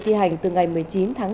thi hành từ ngày một mươi chín tháng năm